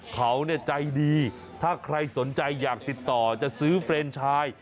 เขาใจดีถ้าใครสนใจอยากติดต่อจะซื้อเฟรนชาย